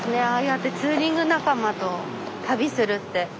やってツーリング仲間と旅するって。